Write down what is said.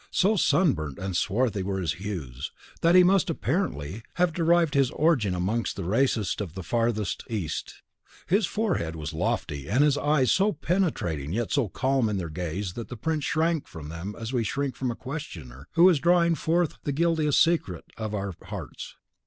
So sunburnt and swarthy were his hues, that he must, apparently, have derived his origin amongst the races of the farthest East. His forehead was lofty, and his eyes so penetrating yet so calm in their gaze that the prince shrank from them as we shrink from a questioner who is drawing forth the guiltiest secret of our hearts.